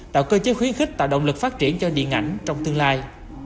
tạo cơ chế khuyến khích tạo động lực phát triển cho điện ảnh trong tương lai